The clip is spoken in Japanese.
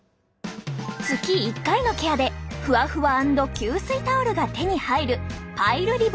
月１回のケアでふわふわ＆吸水タオルが手に入るパイルリボーン。